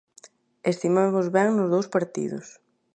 Estivemos ben nos dous partidos.